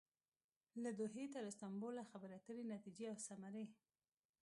له دوحې تر استانبوله خبرې اترې ،نتیجې او ثمرې